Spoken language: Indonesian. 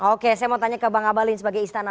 oke saya mau tanya ke bang abalin sebagai istana